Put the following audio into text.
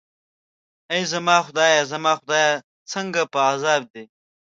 ای زما خدایه، زما خدای، څنګه په عذاب دی.